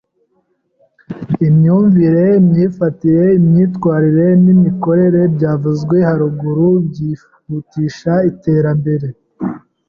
Imyumvire, imyifatire, imyitwarire n’imikorere byavuzwe haruguru byihutisha Iterambere